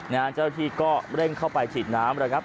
นะฮะเจ้าที่ก็เร่งเข้าไปฉีดน้ำแล้วครับ